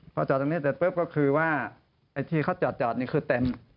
พอจอดตรงนี้เสร็จปุ๊บก็คือว่าไอ้ที่เขาจอดนี่คือเต็ม